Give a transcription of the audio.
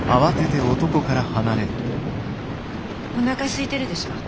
おなかすいてるでしょ。